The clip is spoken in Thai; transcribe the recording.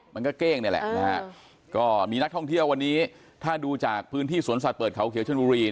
มันก็เก้งนี่แหละนะฮะก็มีนักท่องเที่ยววันนี้ถ้าดูจากพื้นที่สวนสัตว์เปิดเขาเขียวชนบุรี